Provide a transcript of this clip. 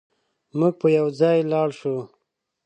موږ به يوځای لاړ شو